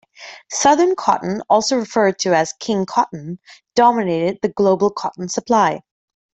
Southern cotton, also referred to as King Cotton, dominated the global cotton supply.